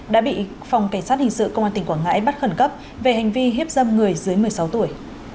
đã bị phòng cảnh sát hình sự công an tỉnh quảng ngãi bắt khẩn cấp về hành vi hiếp dâm người dưới một mươi sáu tuổi